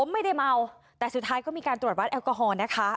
ไม่ได้เมาแต่สุดท้ายก็มีการตรวจวัดแอลกอฮอล์นะคะ